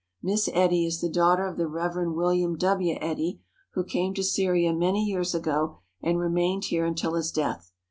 Miss Eddy is the daughter of the Rev. William W. Eddy, who came to Syria many years ago and remained here until his death.